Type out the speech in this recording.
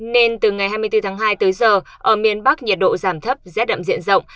nên từ ngày hai mươi bốn tháng hai tới giờ ở miền bắc nhiệt độ giảm thấp rét đậm diện rộng